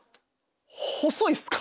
細いっすか？